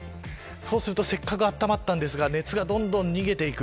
そうするとせっかく温まったんですが熱がどんどん逃げていく。